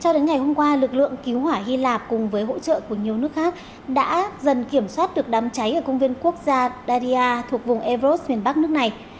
cho đến ngày hôm qua lực lượng cứu hỏa hy lạp cùng với hỗ trợ của nhiều nước khác đã dần kiểm soát được đám cháy ở công viên quốc gia daria thuộc vùng eros miền bắc nước này